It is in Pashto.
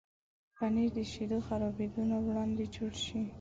پنېر د شیدو خرابېدو نه وړاندې جوړ شي.